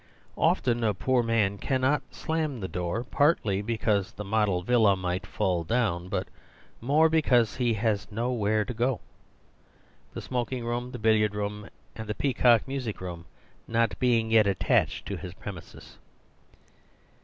Often a poor man cannot slam the door; partly because the model villa might fall down; but more because he has nowhere to go to; the smoking room, the billiard room and the peacock music room not being yet attached to his premises.